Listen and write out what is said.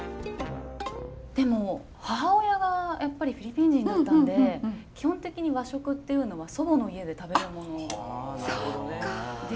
でも母親がやっぱりフィリピン人だったんで基本的に和食っていうのは祖母の家で食べるもので。